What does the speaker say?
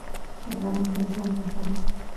غنم د ژوند نښه ده.